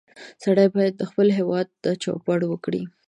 سړی باید خپل هېواد ته چوپړ وکړي